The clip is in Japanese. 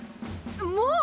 もう！？